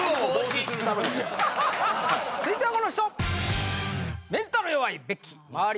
続いてはこの人！